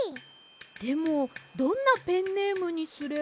でもどんなペンネームにすれば。